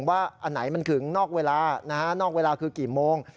ว่าอันไหนมันถึงนอกเวลานอกเวลาคือกี่โมง